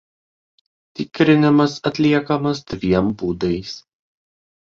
Tikrinimas atliekamas dviem būdais.